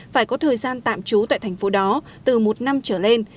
phải có thời gian tạm trú tại thành phố đó từ một năm trở lên